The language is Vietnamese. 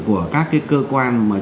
của các cái cơ quan mà